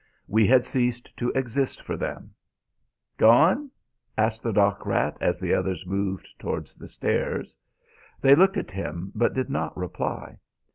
We had ceased to exist for them. "Goin'?" asked the dock rat as the others moved towards the stairs. They looked at him, but did not reply.